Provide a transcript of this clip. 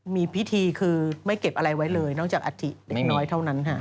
มีพิธีคือไม่เก็บอะไรไว้เลยนอกจากอัฐิเล็กน้อยเท่านั้นค่ะ